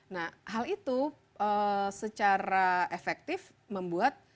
nah hal itu secara efektif membuat